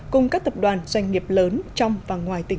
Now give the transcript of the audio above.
cùng các tập đoàn doanh nghiệp lớn trong và ngoài tỉnh